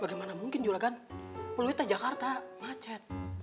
bagaimana mungkin juragan pluitnya jakarta macet